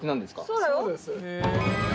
そうです。